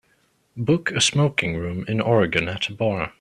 book a smoking room in Oregon at a bar